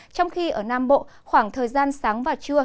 trong khi ở nam bộ khoảng thời gian sáng và trưa